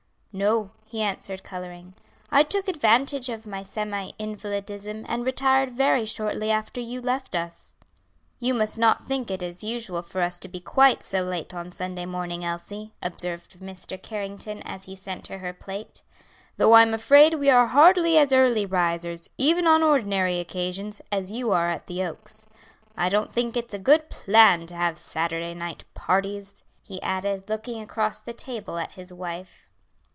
"No," he answered, coloring. "I took advantage of my semi invalidism, and retired very shortly after you left us." "You must not think it is usual for us to be quite so late on Sunday morning, Elsie," observed Mr. Carrington as he sent her her plate, "though I'm afraid we are hardly as early risers, even on ordinary occasions, as you are at the Oaks. I don't think it's a good plan to have Saturday night parties," he added, looking across the table at his wife.